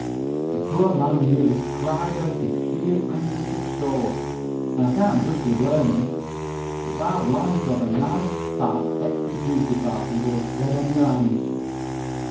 The poor man nearly cried out of sheer anguish of soul, and I can't justly blame him. It's hard lines to have a nice fat extra duty party go dead on your hands.